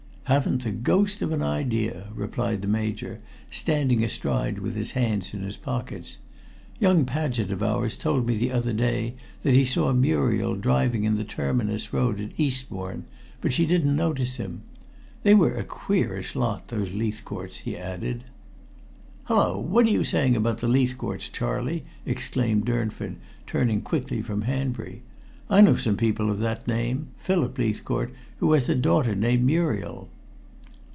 "Haven't the ghost of an idea," replied the Major, standing astride with his hands in his pockets. "Young Paget of ours told me the other day that he saw Muriel driving in the Terminus Road at Eastbourne, but she didn't notice him. They were a queerish lot, those Leithcourts," he added. "Hulloa! What are you saying about the Leithcourts, Charley?" exclaimed Durnford, turning quickly from Hanbury. "I know some people of that name Philip Leithcourt, who has a daughter named Muriel."